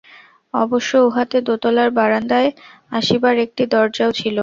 অবশ্য উহাতে দোতলার বারান্দায় আসিবার একটি দরজাও ছিল।